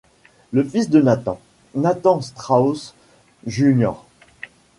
Le fils de Nathan, Nathan Straus Jr.